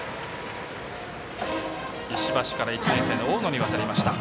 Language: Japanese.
石橋から１年生の大野に渡りました。